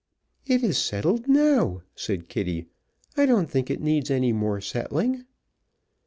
"It is settled now," said Kitty. "I don't think it needs any more settling."